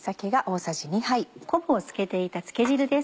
昆布を漬けていた漬け汁です。